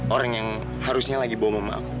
orang yang harusnya lagi bawa mama aku